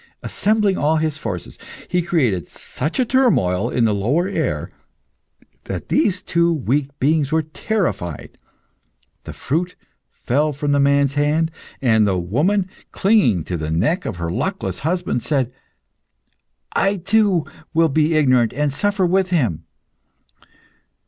Assembling all his forces, he created such a turmoil in the lower air that these two weak beings were terrified. The fruit fell from the man's hand, and the woman, clinging to the neck of her luckless husband, said, "I too will be ignorant and suffer with him."